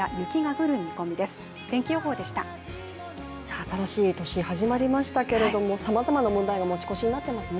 新しい年、始まりましたけれどもさまざまな問題が持ち越しになっていますね。